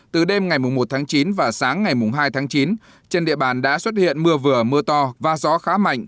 từ đêm ngày một tháng chín và sáng ngày hai tháng chín trên địa bàn đã xuất hiện mưa vừa mưa to và gió khá mạnh